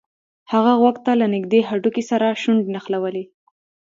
هغه غوږ ته له نږدې هډوکي سره شونډې نښلولې